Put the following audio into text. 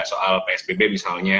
soal psbb misalnya